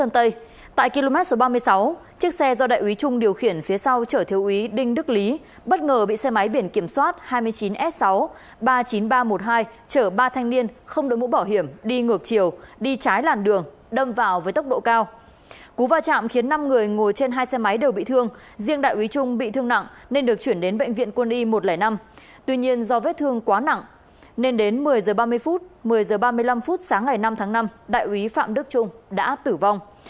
tuy nhiên do vết thương quá nặng nên đến một mươi h ba mươi phút một mươi h ba mươi năm phút sáng ngày năm tháng năm đại ủy phạm đức trung đã tử vong